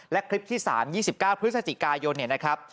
และคลิปที่๓๒๙พฤศจิกายนเนี่ยนะครับ